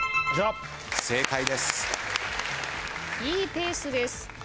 いいペースです。